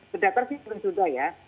tidak terdata sih sudah ya